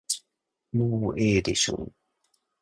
もうええでしょう。